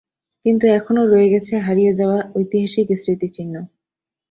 কিন্তু এখনও রয়ে গেছে হারিয়ে যাওয়া ঐতিহাসিক এ স্মৃতিচিহ্ন।